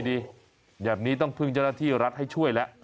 เดี๋ยวนี้ต้องเพิ่งจรัฐที่รัฐให้ช่วยละ